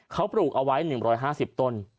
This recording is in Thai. เขาปลูกเอาไว้๑๕๐ต้น